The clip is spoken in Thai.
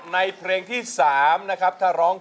ในเพลงที่สามครับ